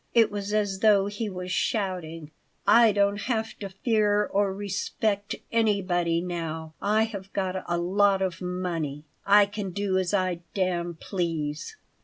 It was as though he was shouting: "I don't have to fear or respect anybody now! I have got a lot of money. I can do as I damn please."